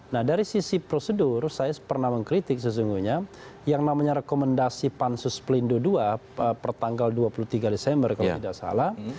nah dari sisi prosedur saya pernah mengkritik sesungguhnya yang namanya rekomendasi pansus pelindo ii pertanggal dua puluh tiga desember kalau tidak salah